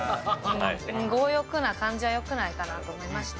強欲な感じはよくないかなと思いまして。